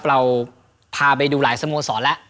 เราพาไปดูหลายสโมสรแล้ว